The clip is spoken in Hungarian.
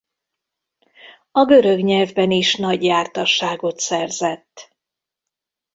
A görög nyelvben is nagy jártasságot szerzett.